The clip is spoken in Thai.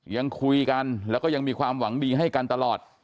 ยังคุยกันแล้วก็ยังมีความหวังดีให้กันตลอด